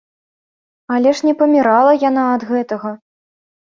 Але ж не памірала яна ад гэтага!